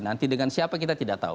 nanti dengan siapa kita tidak tahu